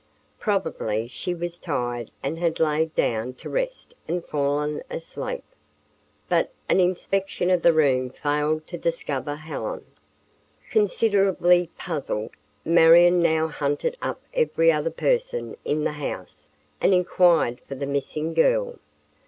Probably she was tired and had lain down to rest and fallen asleep. But an inspection of the room failed to discover Helen. Considerably puzzled, Marion now hunted up every other person in the house and inquired for the missing girl.